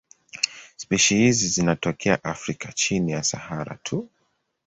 Spishi hizi zinatokea Afrika chini ya Sahara tu.